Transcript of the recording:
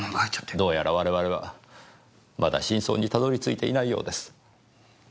どうやら我々はまだ真相にたどり着いていないようです。